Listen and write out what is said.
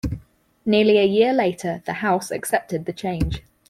Nearly a year later, the House accepted the change.